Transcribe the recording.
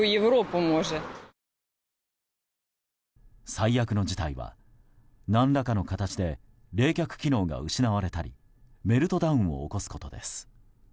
最悪の事態は、何らかの形で冷却機能が失われたりメルトダウンを起こすことです。